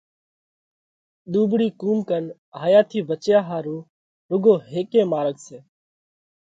ۮُوٻۯِي قُوم ڪنَ ھايا ٿِي ڀچيا ۿارُو روڳو ھيڪئھ مارڳ سئہ